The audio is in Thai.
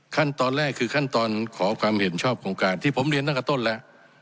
ขั้นตอนแรกคือขั้นตอนขอความเห็นชอบของการที่ผมเรียนตั้งแต่ต้นแล้ว